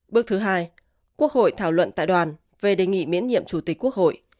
bước thứ hai quốc hội thảo luận tại đoàn về đề nghị miễn nhiệm chủ tịch quốc hội